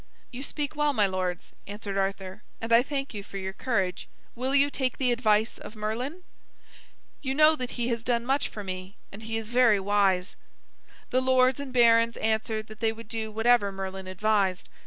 "You speak well, my lords," answered Arthur, "and I thank you for your courage. Will you take the advice of Merlin? You know that he has done much for me, and he is very wise." The lords and barons answered that they would do whatever Merlin advised.